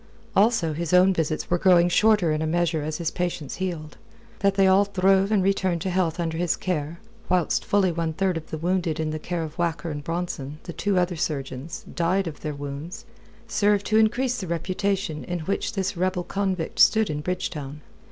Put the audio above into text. Also his own visits were growing shorter in a measure as his patients healed. That they all throve and returned to health under his care, whilst fully one third of the wounded in the care of Whacker and Bronson the two other surgeons died of their wounds, served to increase the reputation in which this rebel convict stood in Bridgetown.